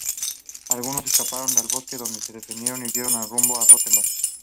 Algunos escaparon al bosque donde se defendieron y huyeron rumbo a Rotterdam.